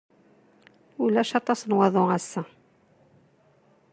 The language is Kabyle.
Ulac aṭas n waḍu ass-a.